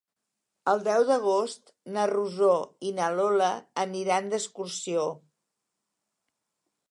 El deu d'agost na Rosó i na Lola aniran d'excursió.